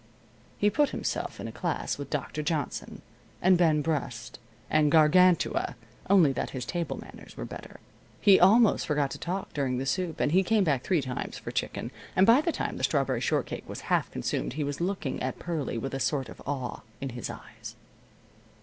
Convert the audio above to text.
He put himself in a class with Dr. Johnson, and Ben Brust, and Gargantua, only that his table manners were better. He almost forgot to talk during the soup, and he came back three times for chicken, and by the time the strawberry shortcake was half consumed he was looking at Pearlie with a sort of awe in his eyes.